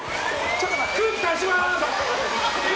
空気足します！